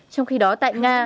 trong khi đó tại nga